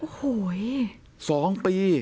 โอ้โห๒ปี